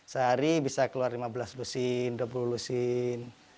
sehari bisa keluar lima belas lusin dua puluh lusin